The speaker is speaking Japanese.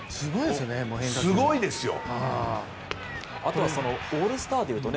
すごいですよね